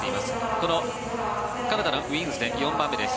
このカナダのウィーンズで４番目です。